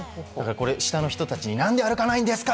下の人たちに何で歩かないんですか！